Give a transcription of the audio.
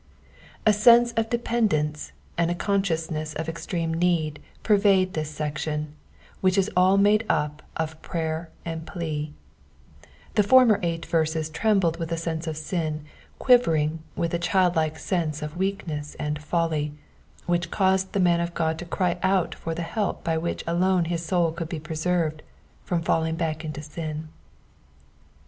A sense of dependence and a consciousness of extreme need pervade this section, which is all made up of prayer and plea. The former eight verses trembled with a sense of sin, quivering with a childlike sense of weakness and folly, which caused the man of God to cry out for the help by which alone his soul could be preserved from falling back into sin.